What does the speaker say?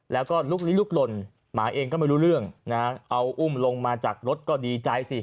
แล้วก็ลุกลีลุกหล่นหมาเองก็ไม่รู้เรื่องนะเอาอุ้มลงมาจากรถก็ดีใจสิ